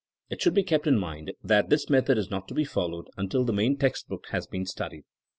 It should be kept in mind that this method is not to be followed until the main text book has been studied.